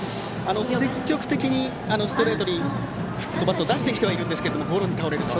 積極的にストレートにバットを出してきてはいますがゴロに倒れると。